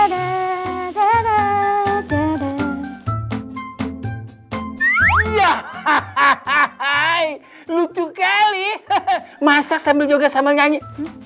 hai lucu kali masak sambil joget sama nyanyi